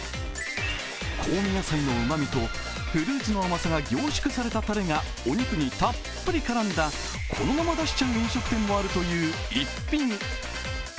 香味野菜のうまみとフルーツの甘さが凝縮されたたれがお肉にたっぷり絡んだこのまま出しちゃう飲食店もあるという一品。